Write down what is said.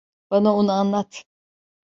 Bana onu anlat.